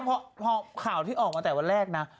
เพราะตอนแรกพอข่าวที่ออกมาแต่วันแรกนะ